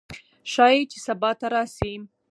ښايي چې سبا ته راشي